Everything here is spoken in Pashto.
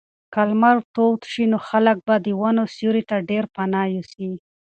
که لمر تود شي نو خلک به د ونو سیوري ته ډېر پناه یوسي.